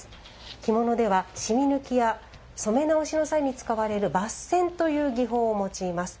着物では、しみ抜きや染め直しの際に使われる抜染という技法を用います。